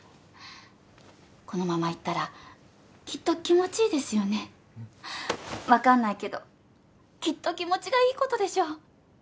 このままいったらきっと気持ちいいですよね分かんないけどきっと気持ちがいいことでしょう